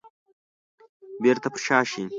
بيرته پر شا شي.